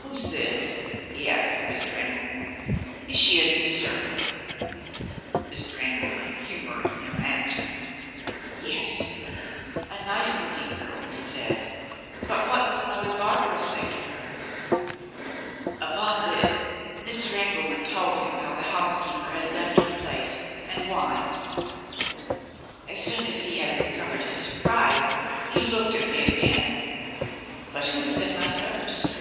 'Who's this?' he asked of Mr. Engelman 'is she a new servant?' Mr. Engelman, humoring him, answered, 'Yes.' 'A nice looking girl,' he said; 'but what does Mother Barbara say to her?' Upon this, Mr. Engelman told him how the housekeeper had left her place and why. As soon as he had recovered his surprise, he looked at me again. 'But who has been my nurse?'